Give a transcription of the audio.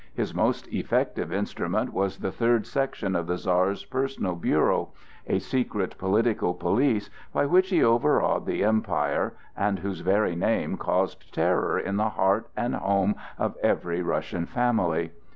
His most effective instrument was the third section of the Czar's personal bureau,—a secret political police by which he overawed the empire and whose very name caused terror in the heart and home of every Russian family.